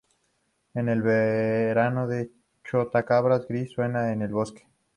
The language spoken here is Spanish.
En el verano, el chotacabras gris suena en el bosque.